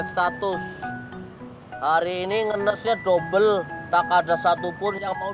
update status hari ini ngenesnya double tak ada satu pun yang mau